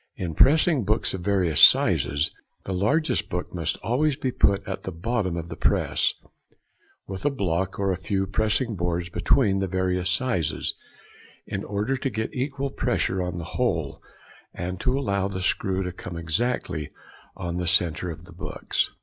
In pressing books of various sizes, the largest book must always be put at the bottom of the press, with a block or a few pressing boards between the various sizes, in order to get equal pressure on the whole, and to allow the screw to come exactly on the centre of the books.